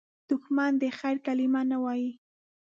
دښمن د خیر کلمه نه وايي